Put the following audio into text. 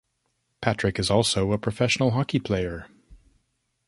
Patrick is also a professional hockey player.